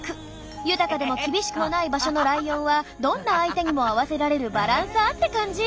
豊かでも厳しくもない場所のライオンはどんな相手にも合わせられるバランサーって感じ。